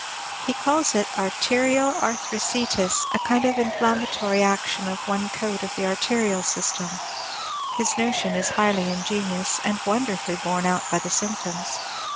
He calls it arterial arthriticis, a kind of inflammatory action of one coat of the arterial system; his notion is highly ingenious, and wonderfully borne out by the symptoms.